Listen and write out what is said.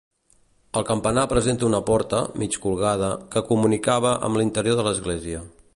El campanar presenta una porta, mig colgada, que comunicava amb l'interior de l'església.